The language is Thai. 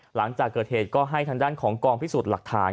หลังจากเกิดเหตุก็ให้ทางด้านของกองพิสูจน์หลักฐาน